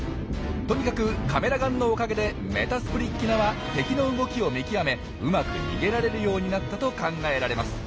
とにかくカメラ眼のおかげでメタスプリッギナは敵の動きを見極めうまく逃げられるようになったと考えられます。